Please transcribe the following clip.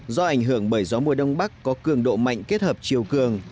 do ảnh hưởng bởi gió mùa đông bắc có cường độ mạnh kết hợp chiều cường